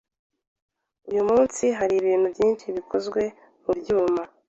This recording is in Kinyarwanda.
Uyu munsi hari ibintu byinshi bikozwe mubyuma.